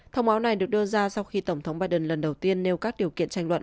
thông báo này được đưa ra sau khi tổng thống biden lần đầu tiên nêu các điều kiện tranh luận